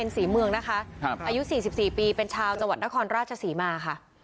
ศรีเมืองนะคะอายุ๔๔ปีเป็นชาวจังหวัดนครราชศรีมาค่ะ